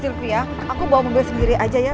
sylvia aku bawa mobil sendiri aja ya